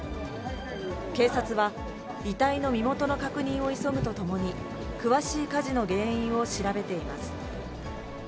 警察は、遺体の身元の確認を急ぐとともに、詳しい火事の原因を調べています。